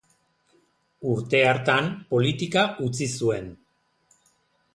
Urte hartan politika utzi zuen.